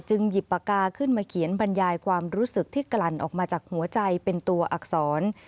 หยิบปากกาขึ้นมาเขียนบรรยายความรู้สึกที่กลั่นออกมาจากหัวใจเป็นตัวอักษร